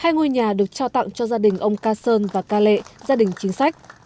hai ngôi nhà được trao tặng cho gia đình ông ca sơn và ca lệ gia đình chính sách